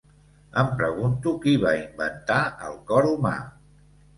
Em pregunto qui va inventar el cor humà.